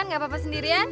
nggak beavas sendirian